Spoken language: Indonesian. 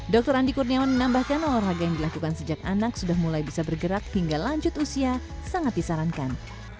dr andi kurniawan menambahkan olahraga yang dilakukan sejak anak sudah mulai bisa bergerak hingga lanjut usia sangat disarankan